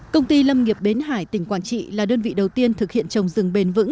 công ty lâm nghiệp bến hải tỉnh quảng trị là đơn vị đầu tiên thực hiện trồng rừng bền vững